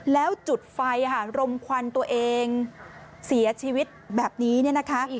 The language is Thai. แล้วจุดไฟค่ะรมควันตัวเองเสียชีวิตแบบนี้เนี่ยนะคะ